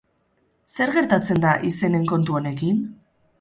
Zer gertatzen da izenen kontu honekin?